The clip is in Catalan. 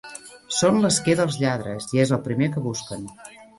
Són l'esquer dels lladres i es el primer que busquen.